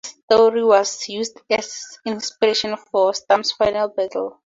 This story was used as inspiration for Sturm's final battle.